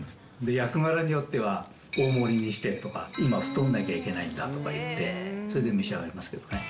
役柄によっては大盛りにしてとか、今、太んなきゃいけないんだとか言って、それで召し上がりますけどね。